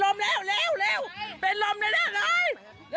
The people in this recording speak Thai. แล้วป้าไปติดหัวมันเมื่อกี้แล้วป้าไปติดหัวมันเมื่อกี้